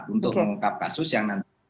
untuk mengungkap kasus yang